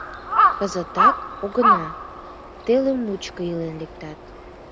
Кызытак огына, теле мучко илен лектат...